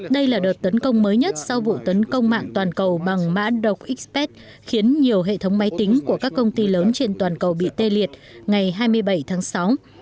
đây là đợt tấn công mới nhất sau vụ tấn công mạng toàn cầu bằng mã độc express khiến nhiều hệ thống máy tính của các công ty lớn trên toàn cầu bị tê liệt ngày hai mươi bảy tháng sáu